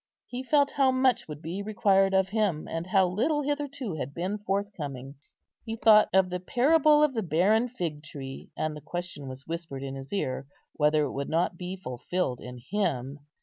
He felt how much would be required of him, and how little hitherto had been forthcoming. He thought of the parable of the barren fig tree, and the question was whispered in his ear whether it would not be fulfilled in him.